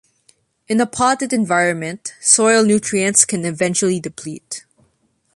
In a potted environment, soil nutrients can eventually deplete.